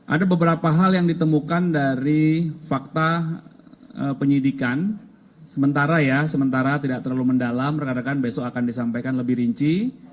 ada beberapa hal yang ditemukan dari fakta penyidikan sementara ya sementara tidak terlalu mendalam rekan rekan besok akan disampaikan lebih rinci